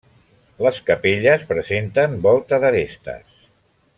Les capelles presenten volta d'arestes.